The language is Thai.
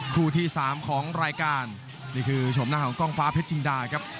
คู่ที่สามของรายการนี่คือชมหน้าของกล้องฟ้าเพชรจินดาครับ